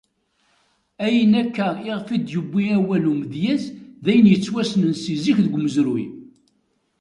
Ayen akka i ɣef d-yewwi awal umedyaz d ayen yettwassnen si zik deg umezruy.